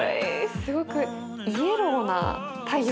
すごくイエローな太陽ですね。